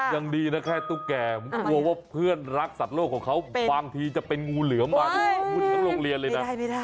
ยังดีน่ะแค่ตุ๊กแก้เดื่อก็ควรพระเขารักสัตว์โลกของเขาควางทีจะเป็นงูเหลือมากไม่ได้ไม่ได้